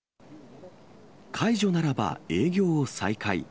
解除ならば営業を再開。